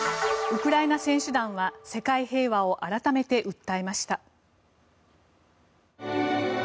ウクライナ選手団は世界平和を改めて訴えました。